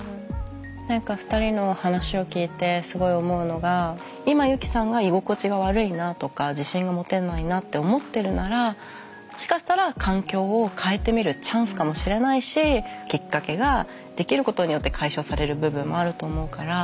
何か２人の話を聞いてすごい思うのが今ユキさんが居心地が悪いなとか自信が持てないなって思ってるならもしかしたら環境を変えてみるチャンスかもしれないしきっかけができることによって解消される部分もあると思うから。